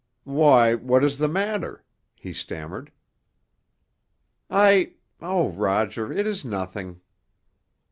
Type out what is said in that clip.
"Why—what is the matter?" he stammered. "I—oh, Roger, it is nothing!"